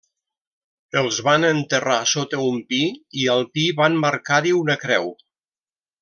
Els van enterrar sota un pi i al pi van marcar-hi una creu.